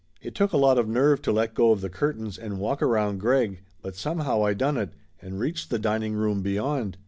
It took a lot of nerve to let go of the curtains and walk around Greg but somehow I done it, and reached the dining room beyond.